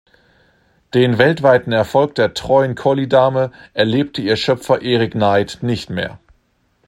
Den weltweiten Erfolg der treuen Collie-Dame erlebte ihr Schöpfer Eric Knight nicht mehr.